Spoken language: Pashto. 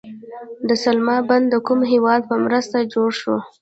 د سلما بند د کوم هیواد په مرسته جوړ شو؟